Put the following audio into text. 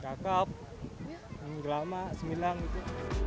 kakap gelama sembilan gitu